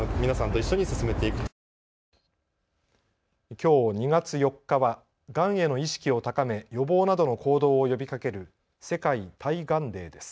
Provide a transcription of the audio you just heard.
きょう２月４日は、がんへの意識を高め予防などの行動を呼びかける世界対がんデーです。